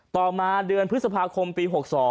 ต่อมาเดือนพฤษภาคมปี๖๒